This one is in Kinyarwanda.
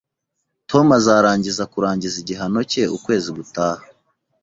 Tom azarangiza kurangiza igihano cye ukwezi gutaha